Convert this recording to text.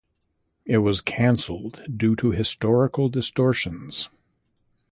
It was canceled due to historical distortions.